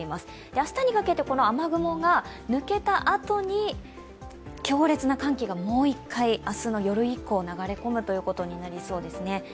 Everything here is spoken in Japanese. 明日にかけて雨雲が抜けたあとに強烈な寒気がもう一回明日の夜以降、流れ込むということになりそうです。